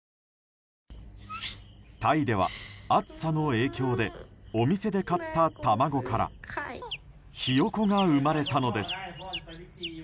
タイでは暑さの影響でお店で買った卵からヒヨコが生まれたのです。